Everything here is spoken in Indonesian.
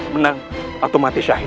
menang atau mati syahid